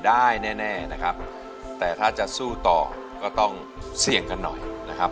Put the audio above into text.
ได้แน่นะครับแต่ถ้าจะสู้ต่อก็ต้องเสี่ยงกันหน่อยนะครับ